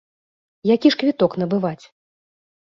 Які ж квіток набываць?